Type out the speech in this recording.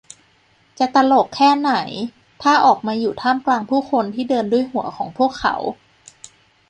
จะตลกแค่ไหน ถ้าออกมาอยู่ท่ามกลางผู้คนที่เดินด้วยหัวของพวกเขา